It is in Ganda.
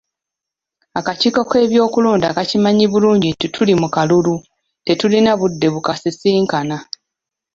Akakiiko k'ebyokulonda kakimanyi bulungi nti tuli mu kalulu tetulina budde bukasisinkana.